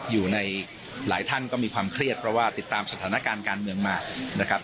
อยู่ในหลายท่านก็มีความเครียดเพราะว่าติดตามสถานการณ์การเมืองมานะครับ